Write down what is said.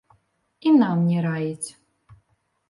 І нам не раіць.